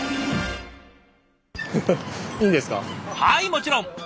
はいもちろん！